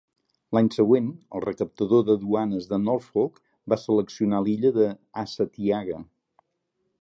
L'any següent, el recaptador de duanes de Norfolk va seleccionar l'illa d'Assateague.